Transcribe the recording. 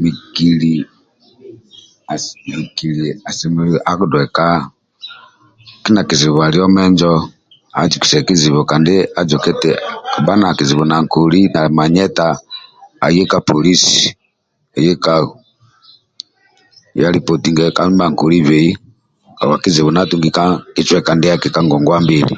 Muikili asemelelu adue kindia kizibu alio menjo azibikese kabha kizibu nankolibe aye ka police aye kau aye arepotinge kau habwa kizibu ndia atungi ka ngongwa mbili